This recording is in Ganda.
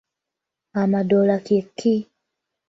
Amadoola kye ki?